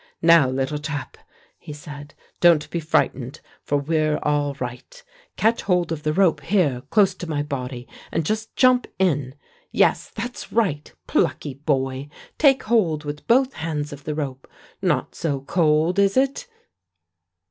"Now, little chap," he said, "don't be frightened, for we're all right. Catch hold of the rope here, close to my body, and just jump in. Yes, that's right. Plucky boy! Take hold with both hands of the rope. Not so cold, is it?"